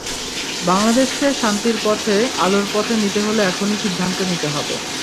বাংলাদেশকে শান্তির পথে, আলোর পথে নিতে হলে এখনই সিদ্ধান্ত নিতে হবে।